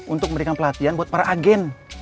untuk memberikan pelatihan buat para agen